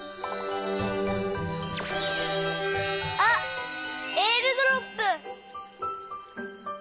えーるドロップ！